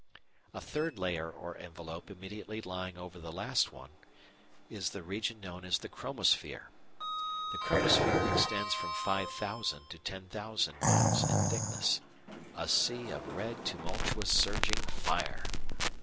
A third layer or envelope immediately lying over the last one is the region known as the chromosphere. The chromosphere extends from 5,000 to 10,000 miles in thickness a "sea" of red tumultuous surging fire.